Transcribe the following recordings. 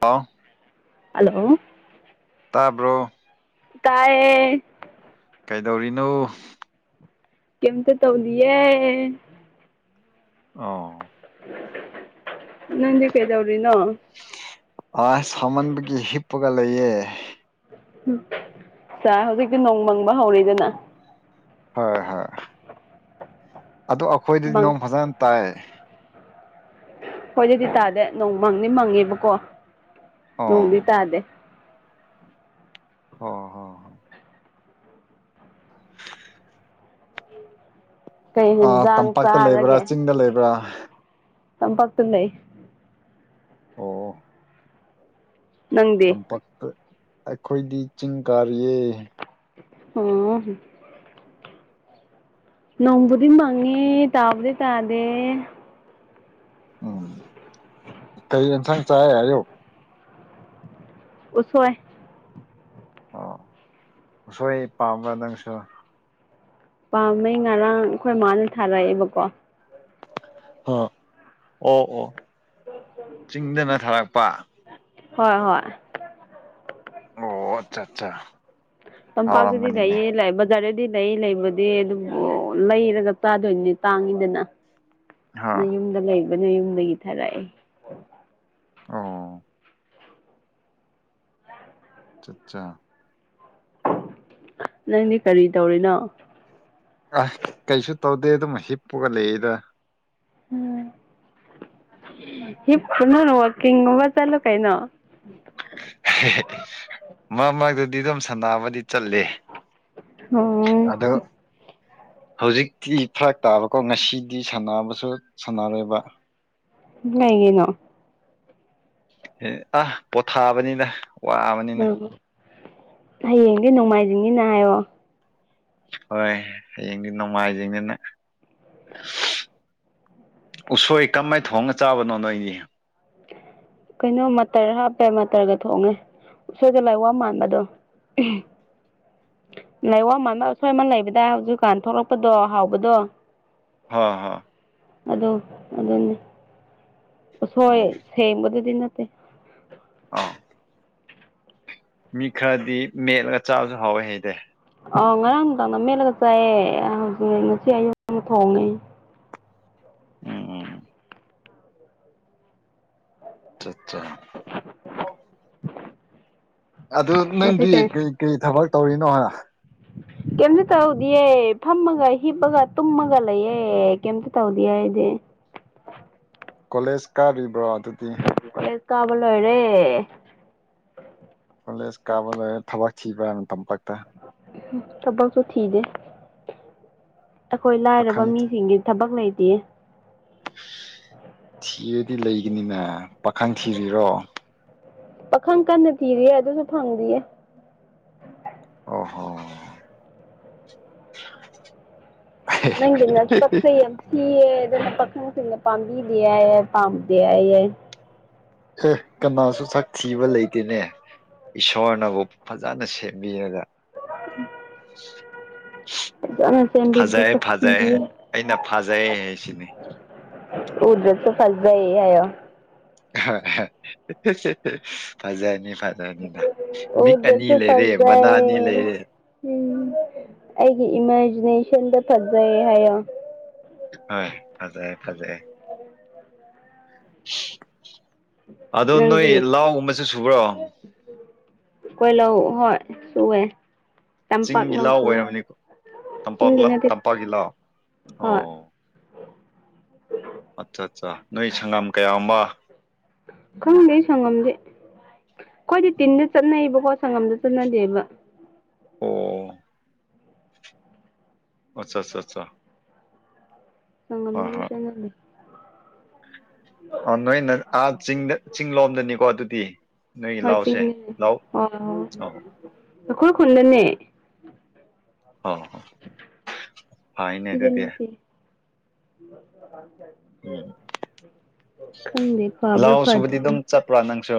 ꯍꯥꯎ hello ꯇꯥꯕ꯭ꯔꯣ ꯇꯥꯢꯌꯦ ꯀꯩꯗꯧꯔꯤꯅꯣ ꯀꯩꯝꯇ ꯇꯧꯗꯤꯌꯦ ꯑꯣ ꯅꯪꯗꯤ ꯀꯩꯗꯧꯔꯤꯅꯣ ꯑ ꯁꯃꯟꯕꯒꯤ ꯍꯤꯞꯄꯒ ꯂꯩꯌꯦ ꯆꯥ ꯍꯧꯖꯤꯛꯇꯤ ꯅꯣꯡ ꯃꯪꯕ ꯍꯧꯔꯦꯗꯅ ꯍꯣꯏ ꯍꯣꯏ ꯑꯗꯨ ꯑꯩꯈꯣꯏꯗꯗꯤ ꯃꯪ ꯅꯣꯡ ꯐꯖꯅ ꯇꯥꯏ ꯈꯣꯢꯗꯗꯤ ꯇꯥꯗꯦ ꯅꯣꯡ ꯃꯪꯗꯤ ꯃꯪꯉꯦꯕꯀꯣ ꯑꯣ ꯅꯣꯡꯗꯤ ꯇꯥꯗꯦ ꯑꯣ ꯍꯣ ꯍꯣ ꯀꯩ ꯑ ꯍꯦꯟꯖꯥꯡ ꯇꯝꯄꯥꯛꯇ ꯂꯩꯕ꯭ꯔꯥ ꯆꯥꯔꯒꯦ ꯆꯤꯡꯗ ꯂꯩꯕ꯭ꯔꯥ ꯇꯝꯄꯥꯛꯇ ꯂꯩ ꯑꯣ ꯅꯪꯗꯤ ꯇꯝꯄꯥꯛꯛ ꯑꯩꯈꯣꯏꯗꯤ ꯆꯤꯡ ꯀꯥꯔꯤꯌꯦ ꯎꯝ ꯅꯣꯡꯕꯨꯗꯤ ꯃꯪꯉꯦ ꯇꯥꯕꯨꯗꯤ ꯇꯥꯗꯦ ꯎꯝ ꯀꯩ ꯏꯟꯁꯥꯡ ꯆꯥꯢ ꯑꯌꯨꯛ ꯎꯁꯣꯢ ꯑꯣ ꯎꯁꯣꯏ ꯄꯥꯝꯕ꯭ꯔꯥ ꯅꯪꯁꯨ ꯄꯥꯝꯃꯦ ꯉꯔꯥꯡ ꯑꯩꯈꯣꯏ ꯃꯥꯅ ꯊꯥꯔꯛꯑꯦꯕꯀꯣ ꯑ ꯑꯣ ꯑꯣ [inaudible] ꯄ [inaudible] ꯍꯣꯏ ꯍꯣꯏ ꯑꯣ ꯑꯆꯥ ꯑꯠꯆꯥ ꯇꯝꯄꯛꯇꯗꯤ ꯍꯥꯎꯔꯝꯒꯅꯤꯅꯦ ꯂꯩꯌꯦ ꯒꯥꯔꯤꯗꯤ ꯂꯩ ꯂꯩꯕꯗꯤ ꯑꯗꯨꯕꯨ ꯂꯩꯔꯒ ꯆꯥꯗꯣꯏꯅꯦ ꯇꯥꯡꯉꯤꯗꯅ ꯍꯥ ꯌꯨꯝꯗ ꯂꯩꯕꯅ ꯌꯨꯝꯗꯒꯤ ꯊꯥꯔꯛꯑꯦ ꯑꯣ ꯑ ꯑꯠ ꯆꯥꯠ ꯆꯥ ꯅꯪꯗꯤ ꯀꯔꯤ ꯇꯧꯔꯤꯅꯣ ꯑꯁ ꯀꯩꯁꯨ ꯇꯧꯗꯦ ꯑꯗꯨꯝ ꯍꯤꯞꯄꯨꯒ ꯂꯩꯌꯦꯗ ꯍꯤꯞꯀꯔꯥꯅꯨ ꯋꯥꯛꯀꯤꯡ ꯒꯨꯝꯕ ꯆꯠꯂꯨ ꯀꯔꯤꯅꯣ ꯃꯔꯛ ꯃꯔꯛꯇꯗꯤ ꯑꯗꯨꯝ ꯁꯅꯥꯕꯗꯤ ꯆꯠꯂꯦ ꯑꯗꯣ ꯑꯣ ꯍꯧꯖꯤꯛꯇꯤ ꯐꯔꯛ ꯇꯥꯕꯀꯣ ꯉꯁꯤꯗꯤ ꯁꯥꯟꯅꯕꯁꯨ ꯁꯥꯟꯅꯔꯣꯏꯕ ꯀꯔꯤꯒꯤꯅꯣ ꯑ ꯄꯣꯊꯥꯕꯅꯤꯗ ꯋꯥꯕꯅꯤꯅ ꯎꯝ ꯍꯌꯦꯡꯗꯤ ꯅꯣꯡꯃꯥꯏꯖꯤꯡꯅꯤꯅ ꯍꯥꯏꯌꯣ ꯍꯣꯏ ꯍꯌꯦꯡꯗꯤ ꯅꯣꯡꯃꯥꯏꯖꯤꯡꯅꯤꯅꯦ ꯎꯁꯣꯏ ꯀꯝꯃꯥꯏ ꯊꯣꯡꯉ ꯆꯥꯕꯅꯣ ꯅꯣꯏꯒꯤ ꯀꯩꯅꯣ ꯃꯇꯇꯔ ꯍꯥꯞꯄꯦ ꯃꯇꯇꯔꯒ ꯊꯣꯡꯉꯦ ꯎꯁꯣꯏꯗ ꯂꯥꯛꯋꯥ ꯃꯥꯟꯕꯥꯕꯗꯣ ꯂꯥꯏꯋꯥ ꯃꯟꯕ ꯑꯁꯣꯏ ꯑꯃꯥ ꯂꯩꯕꯗꯥꯏ ꯍꯧꯖꯤꯛꯀꯥꯟ ꯊꯣꯛꯂꯛꯄꯗꯣ ꯍꯥꯎꯕꯗꯣ ꯍꯥꯥ ꯍꯥꯥ ꯑꯗꯨ ꯑꯗꯨꯅꯦ ꯎꯁꯣꯏ ꯑꯣ ꯁꯦꯡꯕꯗꯨꯗꯤ ꯅꯠꯇꯦ ꯑꯥ ꯃꯤ ꯈꯔꯗꯤ ꯃꯦꯠꯂꯒ ꯆꯥꯕꯁꯨ ꯍꯥꯎꯋꯦ ꯍꯥꯏꯗꯥꯏ ꯑ ꯉꯔꯥꯡ ꯅꯨꯡꯗꯥꯡ ꯅ ꯃꯦꯠꯂꯒ ꯆꯥꯏꯑꯦ ꯍꯧꯖꯤꯛ ꯉꯁꯤ ꯑꯌꯨꯛ ꯊꯣꯡꯉꯦ ꯎꯝ ꯎꯝ ꯑ ꯆꯠ ꯆꯥ ꯑꯗꯨ ꯅꯪꯗꯤ ꯉꯁꯤꯁꯦ ꯀꯩ ꯀꯩ ꯊꯕꯛ ꯇꯧꯔꯤꯅꯣ ꯀꯩꯝꯇ ꯇꯧꯗꯤꯌꯦ ꯐꯝꯃꯒ ꯍꯤꯞꯄꯒ ꯇꯨꯝꯃꯒ ꯂꯩꯌꯦ ꯀꯩꯝꯇ ꯇꯧꯗꯦ ꯍꯥꯏꯗꯤ ꯀꯣꯂꯦꯖ ꯀꯥꯔꯤꯕ꯭ꯔꯣ ꯑꯗꯨꯗꯤ ꯀꯕ ꯂꯣꯏꯔꯦ ꯄꯨꯂꯤꯁ ꯀꯥꯕ ꯂꯩꯔꯦ ꯊꯕꯛ ꯊꯤꯕ꯭ꯔꯥ ꯃꯇꯝ ꯈꯛꯇꯥ ꯊꯕꯛꯁꯨ ꯊꯤꯗꯦ ꯑꯩꯈꯣꯏ ꯂꯥꯏꯔꯕ ꯄꯥꯈꯪ ꯃꯤꯁꯤꯡꯗꯤ ꯊꯕꯛ ꯂꯩꯇꯦ ꯊꯤꯗꯦ [inaudible] ꯊꯤꯔꯗꯤ ꯂꯩꯒꯅꯤꯅꯦ ꯄꯥꯈꯪ ꯊꯤꯔꯤꯔꯣ ꯄꯥꯈꯪ ꯀꯟꯅ ꯊꯤꯔꯤꯌꯦ ꯑꯗꯨꯁꯨ ꯐꯪꯗꯦꯌꯦ ꯑꯣ ꯍꯣ ꯑꯦ ꯅꯪꯒꯤ ꯅꯥꯁꯛꯁꯦ ꯌꯥꯝ ꯊꯤꯌꯦ ꯄꯈꯪꯁꯤꯡꯅ ꯄꯥꯝꯕꯤꯗꯦꯌꯦ ꯄꯥꯝꯇꯦ ꯍꯥꯏꯌꯦ ꯑꯦ ꯀꯅꯥꯁꯨ ꯁꯛ ꯊꯤꯕ ꯂꯩꯇꯦꯅꯦ ꯏꯁꯣꯔꯅꯕꯨ ꯐꯖꯅ ꯁꯦꯝꯕꯤꯔꯒ ꯐꯖꯅ ꯁꯦꯝꯕꯤꯕꯗꯨ ꯐꯖꯩꯑꯦ ꯐꯖꯩ ꯁꯛꯊꯤꯌꯦ ꯑꯩꯅ ꯐꯖꯩ ꯍꯥꯏꯁꯤꯅꯤ ꯎꯗꯔꯁꯨ ꯐꯖꯩ ꯍꯥꯏꯌꯨ ꯍ ꯍꯥ ꯍꯥ ꯐꯖꯅꯤ ꯃꯤꯠ ꯑꯅꯤ ꯎꯗꯁꯨ ꯂꯩꯔꯦ ꯃꯅꯥ ꯑꯅꯤ ꯐꯖꯩ ꯂꯩꯔꯦ ꯎꯝ ꯑꯩꯒꯤ ꯏꯃꯥꯖꯤꯅꯦꯁꯟꯗ ꯐꯖꯩ ꯍꯥꯏꯌꯣ ꯍ ꯐꯖꯩ ꯐꯖꯩ [unintelligible] ꯑꯗꯣ ꯅꯪ ꯅꯣꯏ ꯂꯥꯎꯒꯨꯝꯕꯁꯨ ꯁꯨꯕ꯭ꯔꯣ ꯀꯣꯏ ꯂ ꯍꯣꯏ ꯁꯋꯦ ꯆꯤꯡꯒꯤ ꯂꯥꯎ ꯑꯣꯏꯔꯝꯅꯤꯀꯣ ꯆꯤꯡꯒꯤ ꯇꯝꯄꯂ ꯅꯠꯇꯦ ꯇꯝꯄꯒꯤꯂ ꯑꯣ ꯎ ꯑꯠꯆꯥ ꯑꯠꯆꯥ ꯅꯣꯏ ꯁꯪꯒꯥꯝ ꯀꯌꯥ ꯈꯪꯗꯦ ꯁꯪꯉꯝꯗꯦ ꯑꯩꯈꯣꯏꯗꯤ ꯇꯤꯟꯗ ꯆꯠꯅꯩꯕꯀꯣ ꯁꯪꯉꯝꯗ ꯆꯠꯅꯗꯦꯕ ꯑꯣ ꯑꯆꯥ ꯑꯆꯥ ꯑꯆꯥ ꯁꯒꯝꯅꯔꯤ ꯆꯦ ꯑ ꯅꯣꯏꯅ ꯑꯥ ꯆꯤꯡꯗ ꯆꯤꯡ ꯂꯣꯝꯗꯅꯤꯀꯣ ꯑꯗꯨꯗꯤ ꯅꯣꯏꯒꯤ ꯍꯆ ꯂꯥꯎꯁꯦ ꯂꯥꯎ ꯑꯧ ꯑꯣꯈꯣꯏ ꯈꯨꯟꯗꯅꯦ ꯍ ꯍꯥꯏꯅꯦ ꯑꯗꯨꯗꯤ ꯎ ꯎꯝ ꯈꯪꯗꯦ ꯐꯕ꯭ꯔꯥ ꯂꯥꯎ ꯁꯨꯕꯗꯤ ꯑꯗꯨꯝ ꯆꯠꯄ꯭ꯔꯥ ꯅꯪꯁꯨ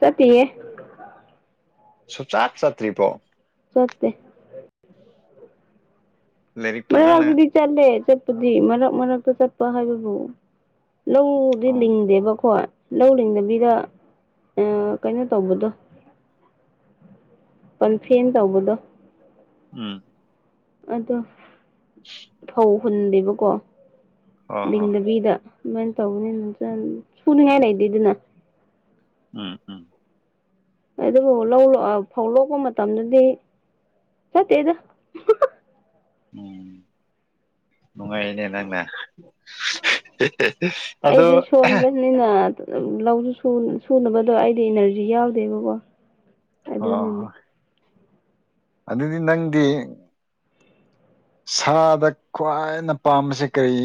ꯆꯇꯤꯦ ꯁꯨꯆꯥꯠ ꯆꯇ꯭ꯔꯤꯄꯣ ꯁꯁꯦ ꯂꯥꯏꯔꯤꯛ ꯐꯖꯅ ꯃꯔꯛꯇꯨꯗꯤ ꯆꯠꯂꯦ ꯆꯠꯄꯗꯤ ꯃꯔꯛ ꯃꯔꯛꯇ ꯆꯠꯄ ꯍꯥꯏꯕꯕꯨ ꯂꯧꯗꯤ ꯑꯣ ꯂꯤꯡꯗꯦꯕꯀꯣ ꯂꯧ ꯂꯤꯡꯗꯕꯤꯗ ꯀꯩꯅꯣ ꯇꯧꯕꯗꯣ ꯄꯟꯐꯅ ꯇꯧꯕꯗꯣ ꯎꯝ ꯑꯗꯣ [unintelligible] ꯎꯧ ꯍꯨꯟꯗꯦꯕꯀꯣ ꯍꯣ ꯍꯣ ꯂꯤꯡꯗꯕꯤꯗ ꯑꯗꯨꯃꯥꯏꯅ ꯇꯧꯅꯤ ꯑꯗꯨ ꯁꯨꯅꯤꯉꯥꯏ ꯂꯩꯇꯦ ꯑꯗꯨꯅ ꯎꯝ ꯎꯝ ꯑꯗꯨꯕꯨ ꯐꯧ ꯂꯣꯛꯄ ꯃꯇꯝꯗꯗꯤ ꯆꯠꯇꯦꯗ ꯎꯝ ꯅꯨꯡꯉꯥꯏꯅꯦꯦ ꯅꯪꯅ ꯑꯗꯣ ꯑꯩꯗꯤ ꯁꯣꯟꯣꯟꯕꯅꯤꯅ ꯎ ꯂꯧꯁꯨ ꯁꯨꯅꯕꯗꯣ ꯑꯩꯗꯤ ꯏꯅꯔꯖꯤ ꯌꯥꯎꯗꯦꯕꯀꯣ ꯍ ꯍ ꯑꯗꯨꯅꯅꯤ ꯑꯗꯨꯗꯤ ꯅꯪꯗꯤ ꯁꯥꯗ ꯈ꯭ꯋꯥꯏꯅ ꯄꯥꯝꯕꯁꯦ ꯀꯔꯤ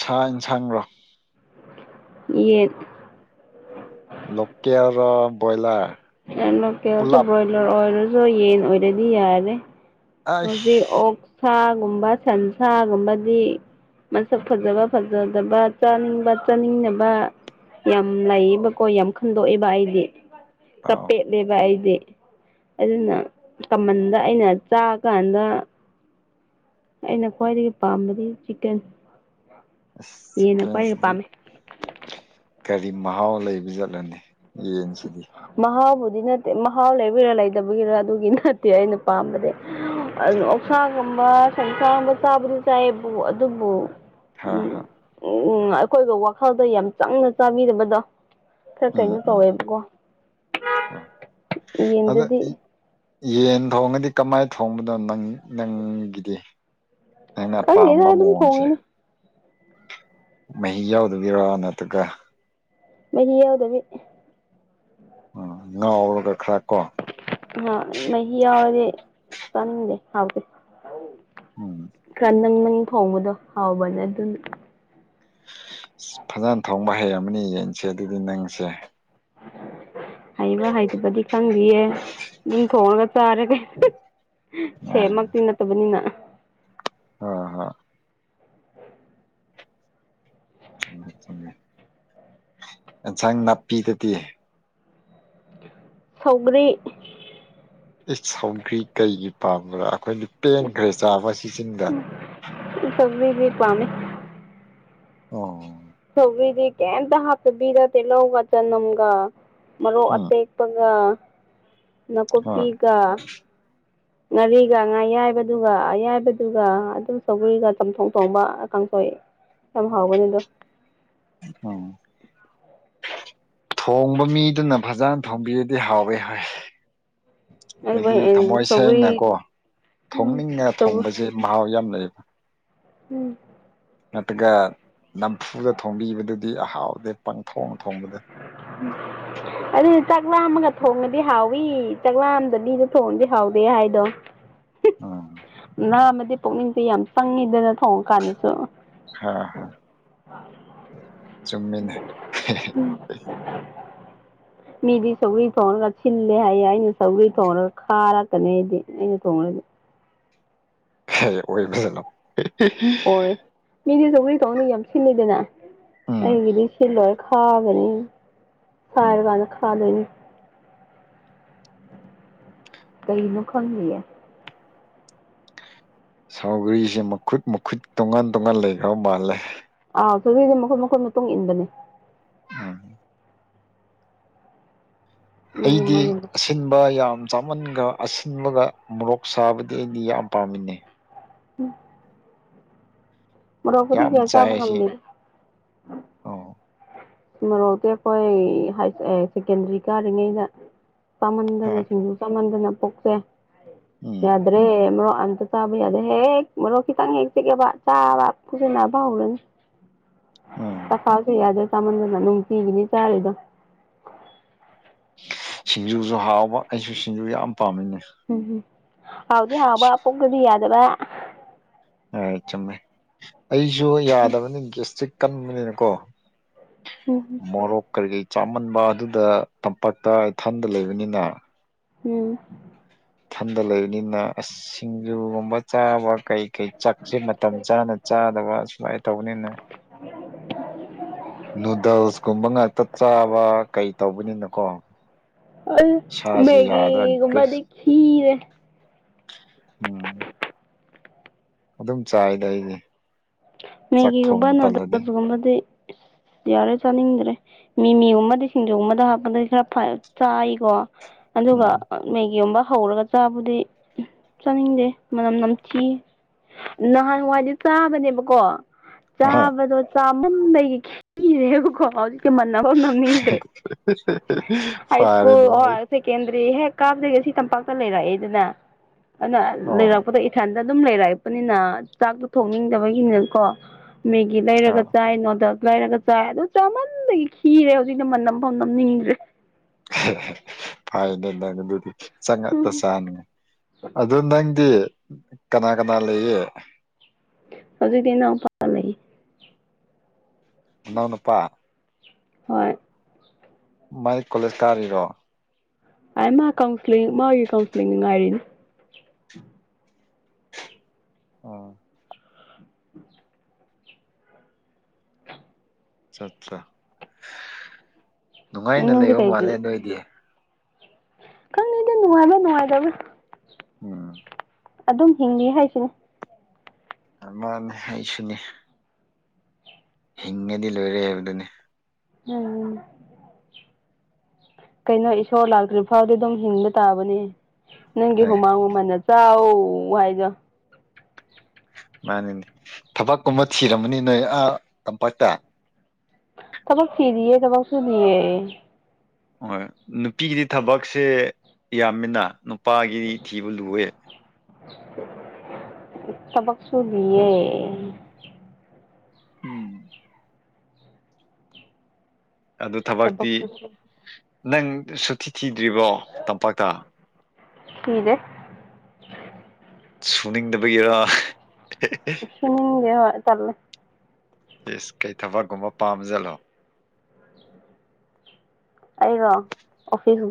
ꯁꯥ ꯌꯦꯟꯁꯥꯡꯅꯣ [unintelligible] ꯌꯦꯠ ꯂꯀꯦꯜ ꯔ ꯕ꯭ꯔꯣꯏꯂꯔ ꯂꯣꯀꯦꯜꯁꯦ ꯕ꯭ꯔꯣꯏꯂꯔ ꯑꯣꯏꯔꯁꯨ ꯌꯦꯟ ꯑꯣꯏꯔꯗꯤ ꯌꯥꯔꯦ ꯍꯧꯖꯤꯛ ꯑꯩꯁ ꯑꯣꯛꯁꯒꯨꯝꯕ ꯁꯟꯁꯥꯒꯨꯝꯕꯗꯤ ꯃꯁꯛ ꯐꯖꯕ ꯐꯖꯗꯕ ꯆꯥꯅꯤꯡꯕ ꯆꯥꯅꯤꯡꯗꯕ ꯌꯥꯝ ꯂꯩꯌꯦꯕꯀꯣ ꯌꯥꯝ ꯈꯟꯗꯣꯛꯑꯦꯕ ꯑꯩꯗꯤ ꯈꯔ ꯑꯥꯎ ꯄꯦꯠꯂꯦꯕ ꯑꯩꯗꯤ ꯑꯗꯨꯅ ꯀꯃꯟꯗ ꯑꯩꯅ ꯆꯥꯛ ꯀꯥꯟꯗ ꯑꯩꯅ ꯈ꯭ꯋꯥꯏꯗꯒꯤ ꯄꯥꯝꯕꯗꯤ ꯆꯤꯛꯀꯟ ꯑꯁ ꯌꯦꯅ ꯈ꯭ꯋꯥꯏꯗꯒꯤ ꯆꯤꯛꯀꯟꯁꯤꯗꯤ ꯄꯥꯝꯃꯦ ꯀꯔꯤ ꯃꯍꯥꯎ ꯂꯩꯕ ꯆꯠꯂꯅꯤ ꯌꯦꯟꯁꯤꯗꯤ ꯑꯗꯨꯗꯤ ꯅꯠꯇꯦ ꯃꯍꯥꯎ ꯂꯩꯕꯒꯤꯔꯥ ꯂꯩꯇꯕꯒꯤꯔꯥ ꯑꯗꯨꯒꯤ ꯅꯠꯇꯦ ꯑꯩꯅ ꯄꯥꯝꯕꯗꯤ ꯑꯗꯨ ꯎꯝ ꯑꯣꯛꯁꯥꯒꯨꯝꯕ ꯁꯪꯁꯥꯒꯨꯝꯕ ꯆꯥꯕꯗꯤ ꯆꯥꯏꯌꯦꯕꯨ ꯑꯗꯨꯕꯨ ꯍꯥꯥ ꯎꯝ ꯍꯥ ꯎꯝ ꯑꯩꯈꯣꯏꯒ ꯋꯥꯈꯜꯗ ꯌꯥꯝ ꯆꯪꯅ ꯆꯥꯕꯤꯔꯕꯗꯣ ꯎꯝ ꯀꯩꯅꯣ ꯎꯝ ꯇꯧꯋꯦꯕꯀꯣ ꯍꯣꯏ ꯑꯗꯣ ꯌꯦꯟꯗꯗꯤ ꯏ- ꯌꯦꯟ ꯊꯣꯡꯉꯗꯤ ꯀꯃꯥꯏ ꯊꯣꯡꯕꯅꯣ ꯅꯪꯒꯤꯗꯤ ꯑꯩꯅ ꯈꯪꯗꯦꯗ ꯄꯥꯝꯕ ꯑꯗꯨꯝ ꯃꯑꯣꯡꯁꯦ ꯊꯣꯡꯉꯤꯅꯤ ꯃꯍꯤ ꯌꯥꯎꯗꯕꯤꯔ ꯅꯠꯇꯒ ꯃꯍꯤ ꯌꯥꯎꯗꯕꯤ ꯎꯝ ꯉꯥꯎꯔꯒ ꯈꯔ ꯀꯣ ꯑ ꯃꯌꯥ ꯑꯣꯏꯦ ꯆꯅꯤꯡꯗꯦ ꯍꯗꯤ ꯎꯝ ꯀꯪ ꯃ ꯐꯣꯡꯕꯗꯣ ꯍꯥꯎꯕꯅꯦ ꯑꯗꯨꯅ ꯐꯖꯅ ꯊꯣꯡꯕ ꯍꯩ ꯑꯃꯅꯤ ꯌꯦꯟꯁꯦ ꯑꯗꯨꯗꯤ ꯅꯪꯁꯦ ꯍꯩꯕ ꯍꯩꯗꯨꯕꯗꯤ ꯈꯪꯕꯤꯌꯦ ꯑꯗꯨꯝ ꯊꯣꯡꯉꯒ ꯆꯥꯔꯦ ꯀ ꯁꯦꯝꯃꯛꯇꯤ ꯅꯠꯇꯕꯅꯤꯅ ꯑꯝ ꯍꯝ ꯎꯃꯦ ꯑꯦꯟꯁꯥꯡ ꯅꯥꯄꯤꯗꯗꯤ ꯁꯧꯔꯤ ꯑꯩ ꯁꯥꯎꯈ꯭ꯔꯤ ꯀꯔꯤꯒꯤ ꯄꯥꯝꯕ꯭ꯔꯥ ꯑꯩꯈꯣꯏꯅ ꯄꯦꯟꯈ꯭ꯔꯦ ꯆꯥꯕ ꯁꯤꯖꯤꯟꯗ ꯄꯥꯝꯃꯤ ꯑꯣ ꯁꯧꯔꯤꯗꯤ ꯀꯗ ꯍꯀꯕꯤꯔ ꯇ ꯂꯧꯒ ꯆꯅꯝꯒꯥ ꯃꯔꯣ ꯎꯝ ꯑꯇꯦꯛꯦꯛꯄꯒ ꯍꯣꯏ ꯅꯅꯥꯀꯣꯄꯤꯒ ꯉꯥꯔꯤꯒ ꯉꯥ ꯑꯌꯥꯏꯕꯗꯨꯒ ꯑꯌꯥꯏꯕꯗꯨꯒ ꯑꯗꯨꯝ ꯆꯒꯔꯤꯒ ꯆꯝꯊꯣꯡ ꯊꯣꯡꯕ ꯀꯥꯡꯊ ꯍꯣꯏ ꯌꯥꯝ ꯍꯥꯎꯒꯅꯤꯗꯣ ꯑꯣ ꯊꯣꯡꯕ ꯃꯤꯗꯨꯅ ꯐꯖꯅ ꯊꯣꯡꯕꯤꯔꯗꯤ ꯍꯥꯎꯋꯦ ꯍꯥꯏ ꯑꯗꯨꯒ ꯍꯥꯏꯗꯤ ꯊꯝꯃꯣꯏ ꯁꯧꯒ꯭ꯔꯤ ꯁꯦꯡꯅꯀꯣ ꯎꯝ ꯊꯣꯡꯅꯤꯡꯅ ꯁꯧꯒ꯭ꯔꯤ ꯊꯣꯡꯕꯁꯦ ꯃꯍꯥꯎ ꯌꯥꯝ [unintelligible] [inaudible] ꯎꯝ ꯅꯠꯇ꯭ꯔꯒ ꯅꯝꯐꯨꯗ ꯊꯣꯡꯝꯕꯤꯕꯗꯨꯗꯤ ꯑꯍꯥꯎꯗ ꯄ ꯊꯣꯡ ꯊꯣꯡꯕꯗ ꯆꯥꯛꯂꯥꯝ ꯑꯃꯒ ꯊꯣꯡꯉꯗꯤ ꯍꯥꯎꯏꯤ ꯆꯥꯛꯂꯥꯝꯗ ꯅꯤꯗ ꯊꯣꯡꯉꯗꯤ ꯍꯥꯎꯗꯦ ꯍꯥꯏꯗꯣ ꯑ [unintelligible] [inaudible] ꯉꯅꯥ ꯑꯃꯗꯤ ꯄꯨꯛꯅꯤꯡꯁꯦ ꯌꯥꯝ ꯆꯪꯉꯤꯗꯅ ꯊꯣꯡꯉ ꯀꯥꯟꯗꯁꯨ ꯍ ꯍ ꯆꯃꯤꯅꯦ ꯎꯝ ꯃꯤꯗꯤ ꯁꯧꯒ꯭ꯔꯤ ꯊꯣꯡꯉꯒ ꯁꯤꯜꯂꯦ ꯍꯥꯏꯌꯦꯦ ꯑꯩꯅ ꯁꯧꯒ꯭ꯔꯤ ꯊꯣꯡꯉꯒ ꯈꯥꯔꯛꯀꯅꯤ ꯍꯥꯏꯗꯤ ꯑꯩꯅ ꯊꯣꯡꯉ [unintelligible] [inaudible] ꯍ ꯑꯣꯏ ꯖꯣ [inaudible] ꯍꯣꯏ ꯃꯤꯗꯤ ꯆꯒꯔꯤ ꯇꯧꯅ ꯌꯥꯝ ꯁꯤꯜꯂꯤꯗꯅ ꯎꯝ ꯑꯩꯒꯤꯗꯤ ꯁꯤꯜ ꯂꯣꯏ ꯈꯥꯒꯅꯤ ꯁꯥꯏꯔꯀꯥꯟꯗ ꯎꯝ ꯈꯥꯗꯣꯏꯅꯤ ꯀꯩꯅ ꯈꯪꯉꯌꯦ ꯁꯥꯎꯒꯔꯤꯁꯦ ꯃꯈꯨꯠ ꯃꯈꯨꯠ ꯇꯣꯉꯥꯟ ꯇꯣꯉꯥꯟ ꯂꯩꯈ꯭ꯔꯕ ꯃꯥꯜꯂꯦ ꯑꯥ ꯁꯁꯦ ꯃꯈꯣꯏꯠ ꯃꯈꯣꯏ ꯃꯇꯨꯡ ꯏꯟꯕꯅꯦ ꯎꯝ ꯃꯥꯒꯤ ꯑꯩꯗꯤ ꯃꯥꯒꯤ ꯑꯁꯤꯟꯕ ꯌꯥꯝ ꯆꯥꯃꯟꯒ ꯑꯁꯤꯟꯕꯒ ꯃꯣꯔꯣꯛ ꯁꯥꯕꯗꯤ ꯑꯩꯗꯤ ꯌꯥꯝ ꯄꯥꯝꯃꯤꯟꯅꯩ ꯎꯝ ꯃꯔꯣꯛ ꯄꯩꯗꯤ ꯌꯥꯝ ꯆꯥꯏ ꯆꯥꯖ ꯑꯁꯤ ꯉꯝꯗꯦꯗ ꯑꯣ ꯃꯣꯔꯣꯛꯇꯤ ꯑꯩꯈꯣꯏ ꯍꯥꯢꯁ ꯁꯦꯀꯦꯟꯗꯔꯤ ꯀꯥꯔꯤꯉꯩꯗ ꯆꯥꯃꯟꯗꯅ ꯍꯣꯏ ꯁꯤꯡꯖꯨ ꯆꯥꯃꯟꯗꯅ ꯄꯨꯛꯁꯦ ꯎꯝ ꯌꯥꯗ꯭ꯔꯦ ꯃꯣꯔꯣꯛ ꯑꯝꯇ ꯆꯥꯕ ꯌꯥꯗ꯭ꯔꯦ ꯍꯦꯛꯦꯛ ꯃꯔꯣ ꯈꯤꯇꯪ ꯍꯦꯛ ꯆꯤꯛꯑꯕ ꯆꯥꯕ ꯄꯨꯛꯁꯦ ꯅꯥꯕ ꯍꯧꯔꯅꯤ ꯎꯝ ꯆꯈꯥꯎꯁꯦ ꯌꯥꯗ꯭ꯔꯦ ꯆꯥꯃꯟꯗꯅ ꯅꯨꯡꯇꯤꯒꯤꯗꯤ ꯆꯥꯔꯤ ꯑꯗꯣ ꯁꯤꯡꯖꯨꯁꯨ ꯍꯥꯎꯕ ꯑꯩꯁꯨ ꯁꯤꯡꯖꯨ ꯌꯥꯝ ꯄꯥꯝꯃꯤꯅꯦ ꯎꯝꯝ ꯍꯥꯎꯗꯤ ꯍꯥꯎꯕ ꯄꯨꯡꯇꯗꯤ ꯌꯥꯗꯕ ꯆꯨꯝꯃꯦ ꯑꯩꯁꯨ ꯌꯥꯗꯕꯅꯤ ꯒꯦꯁꯇ꯭ꯔꯤꯛ ꯀꯟꯕꯅꯤꯅꯀꯣ ꯎꯝ ꯃꯣꯔꯣ ꯀꯒꯩ ꯆꯥꯃꯟꯕ ꯑꯗꯨꯗ ꯇꯝꯄꯥꯛꯛꯇ ꯏꯊꯟꯗ ꯂꯩꯕꯅꯤꯅ ꯎꯝ ꯊꯟꯗ ꯂꯩꯕꯅꯤꯅ ꯑꯁ ꯁꯤꯡꯖꯨꯒꯨꯝꯕ ꯆꯥꯕ ꯀꯩꯀꯩ ꯆꯛꯁꯦ ꯃꯇꯝ ꯆꯥꯅ ꯆꯥꯗꯕ ꯁꯨꯃꯥꯏ ꯇꯧꯅꯤꯅ ꯅꯨꯗꯜꯁ ꯀꯨꯝꯕ ꯉꯥꯛꯇ ꯆꯥꯕ ꯀꯩ ꯇꯧꯕꯅꯤꯅꯣꯀꯣ ꯑꯩ ꯃꯦꯒꯤꯒꯨꯕꯗꯤ ꯒ꯭ꯔꯤꯁ ꯈꯤꯔꯦ ꯎꯝ ꯑꯗꯨꯝ ꯆꯥꯏꯗ ꯑꯩꯗꯤ ꯆꯥꯛ ꯃꯦꯒꯤꯒꯨꯝꯕ ꯊꯣꯡꯕ ꯇꯜꯂꯗꯤ ꯅꯨꯗꯜꯁꯒꯨꯝꯕꯗꯤ [unintelligible] ꯌꯥꯔꯦ ꯆꯥꯅꯤꯡꯗ꯭ꯔꯦ ꯃꯤꯃꯤꯒꯨꯝꯕꯗꯤ ꯁꯤꯡꯖꯨꯒꯨꯝꯕꯗ ꯍꯥꯞꯄꯗ ꯈꯔ ꯆꯥꯏꯀꯣ ꯑꯗꯨꯒ ꯎꯝ ꯃꯦꯒꯤꯒꯨꯝꯕ ꯍꯧꯔꯒ ꯆꯥꯕꯨꯗꯤ ꯆꯥꯅꯤꯡꯗꯦ ꯃꯅꯝ ꯅꯝꯊꯤ ꯅꯍꯥꯟꯋꯥꯏꯗꯤ ꯆꯥꯕꯅꯦ ꯑꯃꯨꯛ ꯀꯣ ꯑꯍ ꯆꯥꯕꯗꯣ ꯆꯥꯃꯟꯕꯒꯤ ꯈꯤꯔꯦꯕꯀꯣ ꯍꯧ [unintelligible] ꯍꯥꯏ ꯁ꯭ꯀꯨꯜ ꯐꯔꯦꯅꯦ ꯍꯣ ꯑꯩ ꯁꯦꯀꯦꯟꯗꯔꯤ ꯍꯦꯛ ꯀꯥꯕꯗꯩ ꯑꯁꯤ ꯇꯝꯄꯥꯛꯇ ꯂꯩꯔꯛꯑꯦꯗꯅ ꯑꯗꯨꯅ ꯑꯣ ꯂꯩꯔꯛꯄꯗ ꯏꯊꯟ ꯇ ꯑꯗꯨꯝ ꯂꯩꯔꯛꯏꯄꯅꯤꯅ ꯆꯥꯛꯇꯣ ꯊꯣꯡꯅꯤꯡꯗꯕꯒꯤꯅꯀꯣ ꯃꯦꯒꯤ ꯑ ꯂꯩꯔꯒ ꯆꯥꯏ ꯅꯣꯗꯜ ꯂꯩꯔꯒ ꯆꯥꯏ ꯑꯗꯨ ꯆꯥꯃꯟꯕꯒꯤ ꯈꯤꯔꯦ ꯍꯧꯖꯤꯛꯅ ꯃꯥꯟꯅꯝ ꯐꯥꯎ ꯅꯝꯅꯤꯡꯗ꯭ꯔꯦ ꯐꯥꯏꯅꯦ ꯅꯪ ꯑꯗꯨꯗꯤ ꯆꯥꯛ ꯎꯝ ꯉꯛꯇ ꯆꯥꯅꯤꯡ ꯑꯗꯨ ꯅꯪ ꯪꯗꯤ ꯀꯅꯥ ꯀꯅꯥ ꯂꯩꯌꯦ ꯍꯧꯖꯤꯛꯇꯤ ꯢꯅꯥꯎꯄꯥꯒ ꯂꯩꯌꯦ ꯅꯅꯥꯎ ꯅꯨꯄꯥ ꯍꯣꯏ ꯃꯥꯏ ꯀꯣꯂꯦꯖ ꯀꯥꯔꯤꯔꯣ ꯑ ꯃꯥ ꯀꯥꯎꯟꯁ꯭ꯂꯤꯡ ꯃꯥꯒꯤ ꯀꯥꯎꯟꯁꯂ꯭ꯤꯡ ꯉꯥꯏꯔꯤꯅꯤ ꯑꯣ ꯑꯠꯆꯥ ꯑꯠꯆꯥ ꯎꯝ ꯅꯨꯡꯉꯥꯏꯅ ꯅꯪꯗꯤ ꯂꯩꯕ ꯀꯩꯒꯤ ꯃꯥꯜꯂꯦ ꯅꯣꯢꯗꯤ ꯈꯪꯗꯦꯗ ꯅꯨꯡꯉꯥꯏꯕ ꯅꯨꯡꯉꯥꯏꯇꯕ꯭ꯔꯥ ꯎꯝ ꯑꯗꯨꯝ ꯍꯤꯡꯉꯤ ꯍꯥꯏꯁꯤꯅꯦ ꯑ ꯃꯥꯅꯦ ꯑꯩꯁꯨꯅꯦ ꯍꯤꯡꯉꯗꯤ ꯂꯣꯏꯔꯦ ꯍꯥꯏꯕꯗꯨꯅꯦ ꯎꯝ ꯀꯩꯅꯣ ꯏꯁꯣꯔ ꯂꯥꯛꯇ꯭ꯔꯤ ꯐꯥꯎꯗꯤ ꯑꯗꯨꯝ ꯍꯤꯡꯕ ꯇꯥꯕꯅꯦ ꯅꯪꯒꯤ ꯍꯣꯏ ꯍꯨꯃꯥꯡ ꯃꯃꯟꯅ ꯆꯥꯎꯋꯣ [unintelligible] ꯃꯥꯅꯤꯅꯦ ꯊꯕꯛꯀꯨꯝꯕ ꯊꯤꯔꯝꯕꯅꯤꯅꯦ ꯅꯣꯢ ꯑꯥ ꯇꯝꯄꯥꯛꯇ ꯊꯕꯛ ꯊꯤꯖꯤꯌꯦ ꯊꯕꯛ ꯁꯨꯗꯤꯌꯦ ꯍꯣꯏ ꯅꯨꯄꯤꯒꯤꯗꯤ ꯊꯕꯛꯁꯦ ꯌꯥꯝꯃꯤꯅ ꯅꯨ ꯄꯥꯒꯤꯗꯤ ꯊꯤꯕ ꯂꯨꯋꯦ ꯁꯕꯛꯁꯨꯨꯔꯤꯌꯦ ꯎꯝ ꯑꯗꯨ ꯊꯕꯛꯇꯤ ꯊꯕꯛꯁꯨ ꯅꯪ ꯁꯨꯊꯤ ꯊꯤꯗ꯭ꯔꯤꯕꯣ ꯇꯝꯄꯥꯛꯇ ꯐꯤꯗꯅꯦ ꯁꯨꯅꯤꯡꯗꯕꯒꯤꯔꯥ ꯁꯤꯅꯅꯤꯡꯒꯦ ꯍꯣꯏ ꯇꯂꯦ ꯏꯁ ꯀꯩ ꯊꯕꯛꯀꯨꯝꯕ ꯄꯥꯝꯁꯤꯂꯣ ꯑꯩꯒꯣ ꯑꯣꯐꯤꯁ